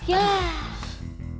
terima kasih bu